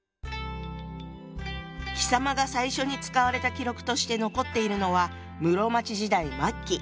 「貴様」が最初に使われた記録として残っているのは室町時代末期。